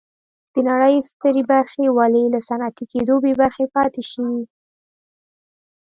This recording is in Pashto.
د نړۍ سترې برخې ولې له صنعتي کېدو بې برخې پاتې شوې.